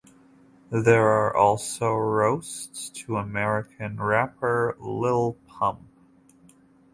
There are also roasts to American rapper Lil Pump.